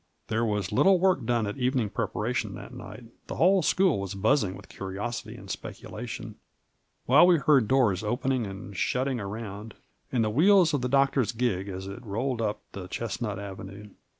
There was little work done at evening preparation that night ; the whole school was buzzing with curiosity and speculation, while we heard doors opening and shut Digitized by VjOOQIC MARJORY. 103 ting around, and the wheek of the doctor's gig as it rolled up the chestnut avenue.